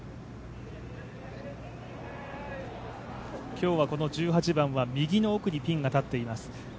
今日はこの１８番は右の奥にピンが立っています。